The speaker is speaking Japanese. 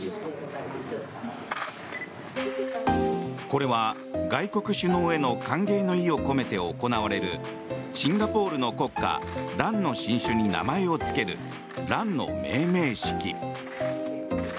これは外国首脳への歓迎の意を込めて行われるシンガポールの国花ランの新種に名前をつけるランの命名式。